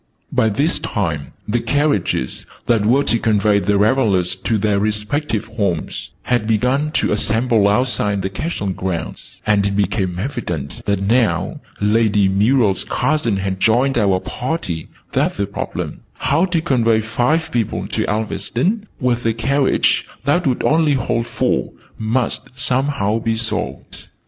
By this time the carriages, that were to convey the revelers to their respective homes, had begun to assemble outside the Castle grounds: and it became evident now that Lady Muriel's cousin had joined our party that the problem, how to convey five people to Elveston, with a carriage that would only hold four, must somehow be solved.